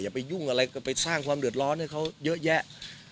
ไปยุ่งอะไรก็ไปสร้างความเดือดร้อนให้เขาเยอะแยะ